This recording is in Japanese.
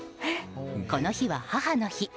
この日は、母の日。